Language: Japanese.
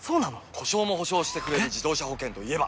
故障も補償してくれる自動車保険といえば？